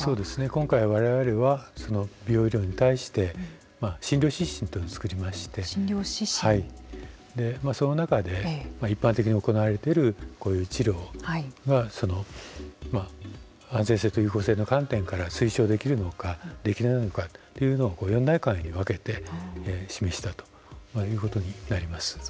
今回、我々は美容医療に対して診療指針というのを作りましてその中で、一般的に行われているこういう治療が安全性と有効性の観点から推奨できるのか、できないのかというのを４段階に分けて示したということになります。